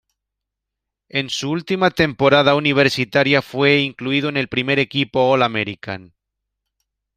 En su última temporada universitaria fue incluido en el primer equipo All-American.